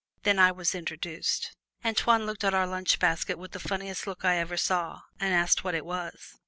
Then I was introduced. Antoine looked at our lunch basket with the funniest look I ever saw, and asked what it was.